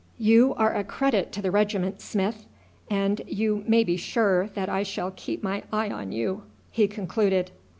"You are a credit to the regiment, Smith; and you may be sure that I shall keep my eye on you," he concluded.